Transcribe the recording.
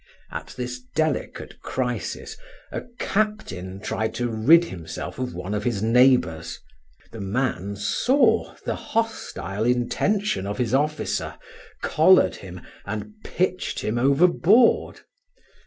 At this delicate crisis, a captain tried to rid himself of one of his neighbors; the man saw the hostile intention of his officer, collared him, and pitched him overboard.